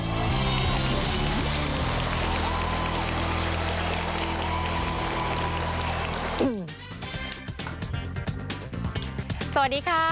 สวัสดีค่ะ